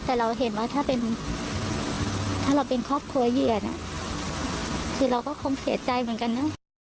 แต่เราเห็นว่าถ้าเราเป็นครอบครัวเหยื่อน่ะคือเราก็คงเสียใจเหมือนกันนะ